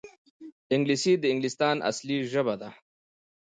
انګلیسي د انګلستان اصلي ژبه ده